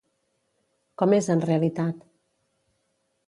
Com és en realitat?